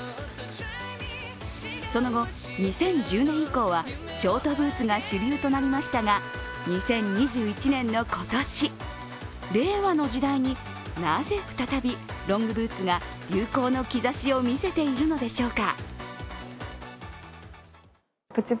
その後、２０１０年以降はショートブーツが主流となりましたが、２０２１年の今年、令和の時代になぜ再びロングブーツが流行の兆しを見せているのでしょうか。